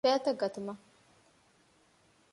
ސްޕެއަރތައް ގަތުމަށް